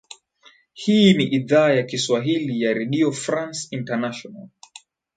hii ni idhaa ya kiswahili ya redio france international